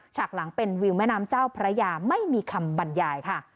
ฉกหลังเป็นวิวแม่น้ำเจ้าพระยาไม่มีคำบรรยายค่ะ